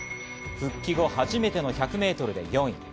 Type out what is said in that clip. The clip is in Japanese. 復帰後、初めての１００ｍで４位。